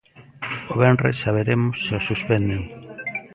O venres saberemos se o suspenden.